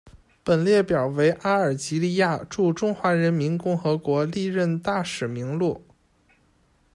本列表为阿尔及利亚驻中华人民共和国历任大使名录。